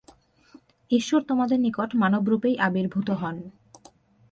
ঈশ্বর তোমাদের নিকট মানবরূপেই আবির্ভূত হন।